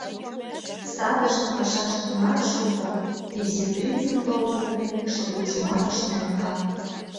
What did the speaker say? Садыжын пашаже тунар шуко, Изи принцын толын лекмекше, вуйжымат ыш нӧлтал.